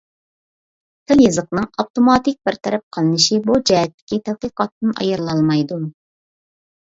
تىل-يېزىقنىڭ ئاپتوماتىك بىر تەرەپ قىلىنىشى بۇ جەھەتتىكى تەتقىقاتتىن ئايرىلالمايدۇ.